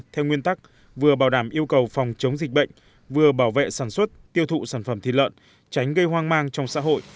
theo nguyên tắc vừa bảo đảm yêu cầu phòng chống dịch bệnh vừa bảo vệ sản xuất tiêu thụ sản phẩm thịt lợn tránh gây hoang mang trong xã hội